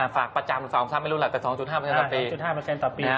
ฝากประจำเป็น๒๕ต่อปี